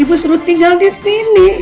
ibu suruh tinggal di sini